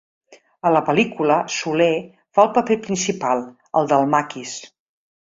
A la pel·lícula, Soler fa el paper principal, el del maquis.